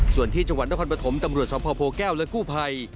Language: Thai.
ส่วนที่จังหวัดนครปฐมตำรวจสภโพแก้วและกู้ภัย